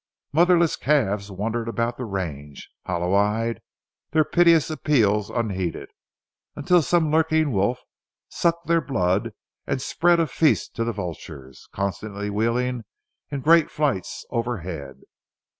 Motherless calves wandered about the range, hollow eyed, their piteous appeals unheeded, until some lurking wolf sucked their blood and spread a feast to the vultures, constantly wheeling in great flights overhead.